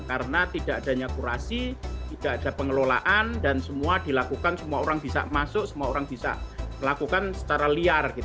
karena tidak adanya kurasi tidak ada pengelolaan dan semua dilakukan semua orang bisa masuk semua orang bisa lakukan secara liar